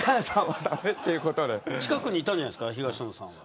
近くにいたんじゃないですか東野さんは。